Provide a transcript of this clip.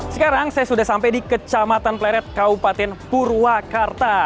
sekarang saya sudah sampai di kecamatan pleret kaupaten purwakarta